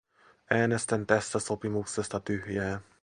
Äänestän tästä sopimuksesta tyhjää.